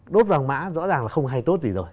đốt vàng mã rõ ràng là không hay tốt gì rồi